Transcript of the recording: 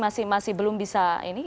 masih belum bisa ini